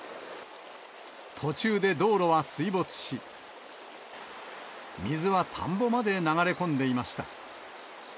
途中で道路は水没し、水は田んぼまで流れ込んでいました。